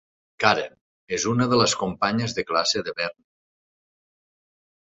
Karen: és una de les companyes de classe de Bernie.